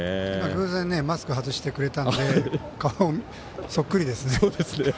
偶然マスク外してくれたので顔、そっくりですね。